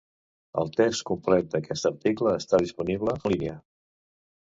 El text complet d'aquest article està disponible en línia.